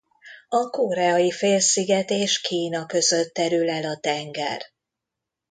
A Koreai-félsziget és Kína között terül el a tenger.